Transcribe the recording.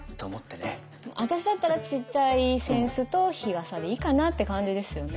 私だったらちっちゃい扇子と日傘でいいかなって感じですよね。